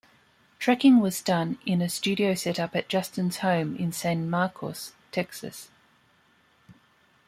Tracking was done in a studio setup at Justin's home in San Marcos, Texas.